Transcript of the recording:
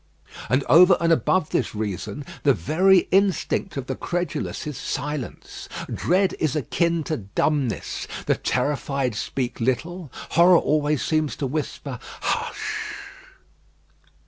And over and above this reason, the very instinct of the credulous is silence; dread is akin to dumbness; the terrified speak little; horror seems always to whisper, "Hush!"